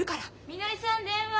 ・みのりさん電話！